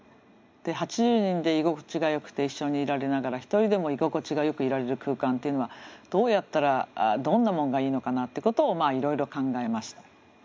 ８０人で居心地がよくて一緒にいられながら一人でも居心地がよくいられる空間っていうのはどうやったらどんなもんがいいのかなってことをいろいろ考えました。